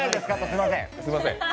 すいません。